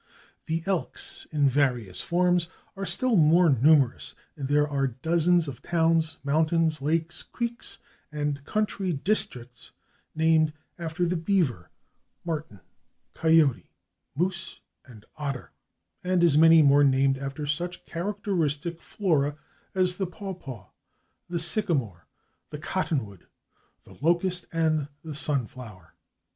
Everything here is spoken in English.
The /Elks/, in various forms, are still more numerous, and there are dozens of towns, mountains, lakes, creeks and country districts named after the /beaver/, /martin/, /coyote/, /moose/ and /otter/, and as many more named after such characteristic flora as the /paw paw/, the /sycamore/, the /cottonwood/, the /locust/ and the /sunflower